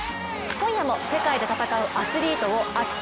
今夜も世界で戦うアスリートを熱く！